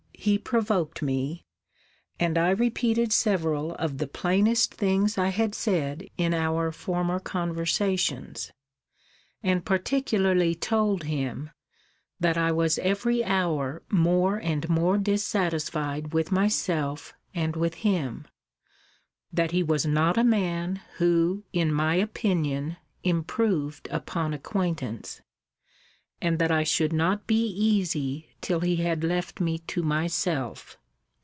He provoked me; and I repeated several of the plainest things I had said in our former conversations; and particularly told him, that I was every hour more and more dissatisfied with myself, and with him: that he was not a man, who, in my opinion, improved upon acquaintance: and that I should not be easy till he had left me to myself.